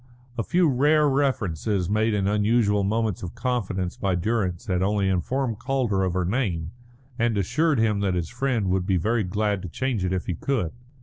A few rare references made in unusual moments of confidence by Durrance had only informed Calder of her name, and assured him that his friend would be very glad to change it if he could.